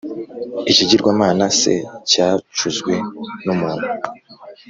Ikigirwamana se? Cyacuzwe n’umuntu !